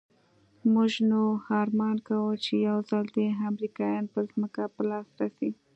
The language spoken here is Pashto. موږ نو ارمان کاوه چې يو ځل دې امريکايان پر ځمکه په لاس راسي.